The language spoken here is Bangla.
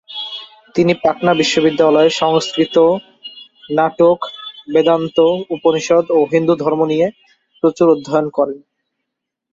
তিনি পাটনা বিশ্ববিদ্যালয়ে সংস্কৃত নাটক, বেদান্ত, উপনিষদ এবং হিন্দু ধর্ম নিয়ে প্রচুর অধ্যয়ন করেন।